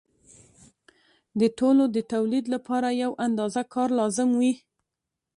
د ټولو د تولید لپاره یوه اندازه کار لازم وي